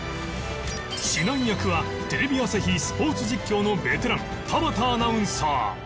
指南役はテレビ朝日スポーツ実況のベテラン田畑アナウンサー